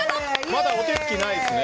まだお手つきないですね